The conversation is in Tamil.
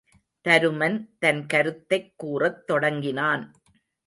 தருமன் தன் கருத்தைக் கூறத் தொடங்கினான்.